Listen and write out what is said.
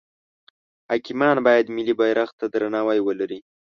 حاکمان باید ملی بیرغ ته درناوی ولری.